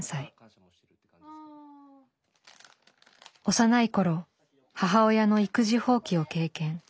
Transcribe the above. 幼い頃母親の育児放棄を経験。